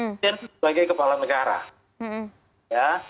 presiden sebagai kepala negara